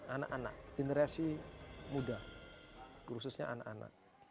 anak anak generasi muda khususnya anak anak